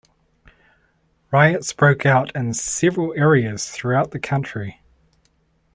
Riots broke out in several areas throughout the country.